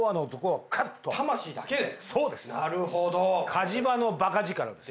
火事場の馬鹿力です。